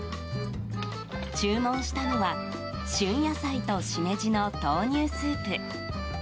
注文したのは旬野菜としめじの豆乳スープ。